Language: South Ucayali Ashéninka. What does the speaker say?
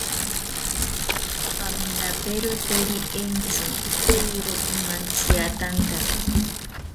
Paminaperoteri entzi, eero imantziatanta